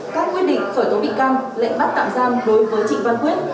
các quyết định khởi tố bị can lệnh bắt tạm giam đối với trịnh văn quyết